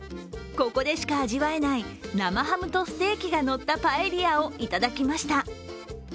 ここでしか味わえない生ハムとステーキがのったパエリアをいただきました。